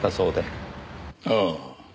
ああ。